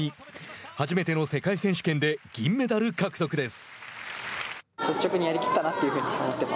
初めての世界選手権で銀メダル獲得です。